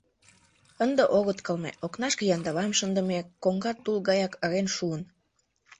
Ынде огыт кылме: окнашке яндавам шындыме, коҥга тул гаяк ырен шуын.